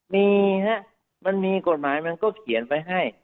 มีฮะมันมีกฎหมายมันก็เขียนไว้ให้